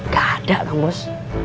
gak ada kang bos